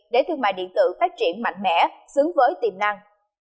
để thương mại điện tử phát triển mạnh mẽ xứng với tiềm năng